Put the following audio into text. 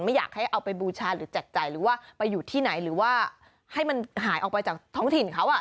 ไม่อยากให้เอาไปบูชาหรือแจกจ่ายหรือว่าไปอยู่ที่ไหนหรือว่าให้มันหายออกไปจากท้องถิ่นเขาอ่ะ